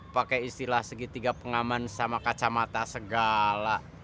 pakai istilah segitiga pengaman sama kacamata segala